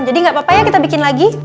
jadi gak apa apanya kita bikin lagi